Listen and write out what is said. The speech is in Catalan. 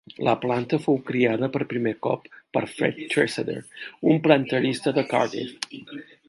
La planta fou criada per primer cop per Fred Treseder, un planterista de Cardiff.